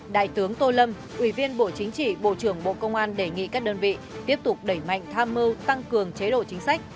đại tướng tô lâm ủy viên bộ chính trị bộ trưởng bộ công an đề nghị các đơn vị tiếp tục đẩy mạnh tham mưu tăng cường chế độ chính sách